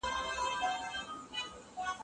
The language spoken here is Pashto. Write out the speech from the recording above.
ایبنه دي نه کړمه بنګړی دي نه کړم